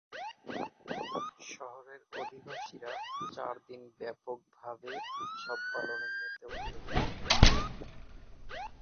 শহরের অধিবাসীরা চারদিন ব্যাপকভাবে উৎসব পালনে মেতে উঠে।